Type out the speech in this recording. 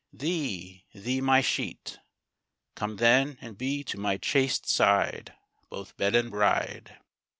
Thee, thee my sheet. Come then, and be to my chaste side Both bed and bride.